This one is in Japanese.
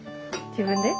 自分で？